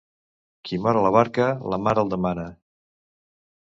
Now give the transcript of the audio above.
Qui mor a la barca, la mar el demana.